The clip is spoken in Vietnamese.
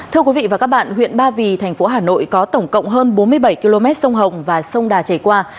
thưa quý vị và các bạn huyện ba vì thành phố hà nội có tổng cộng hơn bốn mươi bảy km sông hồng và sông đà chảy qua